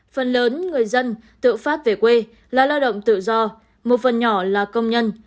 phần lớn người dân tự phát về quê là lao động tự do một phần nhỏ là công nhân